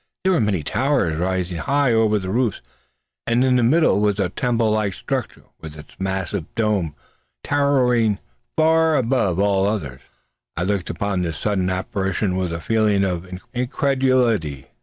There were many towers rising high over the roofs, and in the middle was a temple like structure, with its massive dome towering far above all the others. I looked upon this sudden apparition with a feeling of incredulity.